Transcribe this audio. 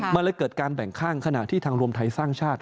มันเลยเกิดการแบ่งข้างขณะที่ทางรวมไทยสร้างชาติ